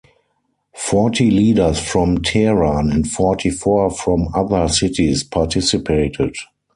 Forty leaders from Tehran and forty-four from other cities participated.